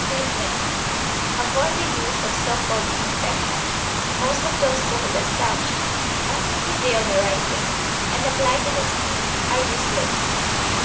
Treatment Avoid the use of so called disinfectants. Most of those sold as such are simply deodorisers, and, applied to the skin, are useless.